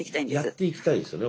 やっていきたいんですよね